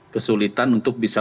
kesulitan untuk bisa